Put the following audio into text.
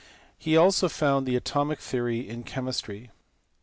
He also founded the atomic theory in chemistry.